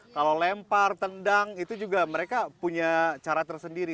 kalau lempar tendang itu juga mereka punya cara tersendiri